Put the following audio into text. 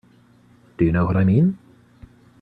Do you know what I mean?